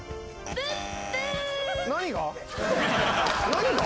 何が？